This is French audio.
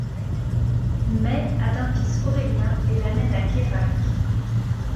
May a un fils Aurélien et l'amène à Quayrac.